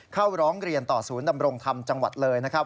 เข้าร้องเรียนต่อศูนย์ดำรงธรรมจังหวัดเลยนะครับ